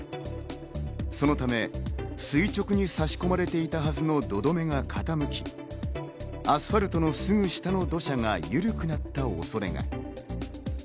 そのため垂直に差し込まれていたはずの土留めが傾き、アスファルトのすぐ下の土砂が緩くなった恐れが。